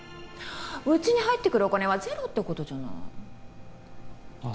うちに入ってくるお金はゼロってことじゃないあっ